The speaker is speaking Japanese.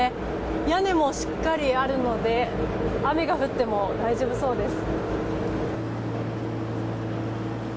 屋根もしっかりあるので雨が降っても大丈夫そうです。